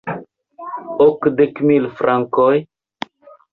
Okdek mil frankoj?